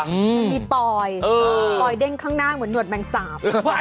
มันมีปอยปลอยเด้งข้างหน้าเหมือนหวดแมงสาบ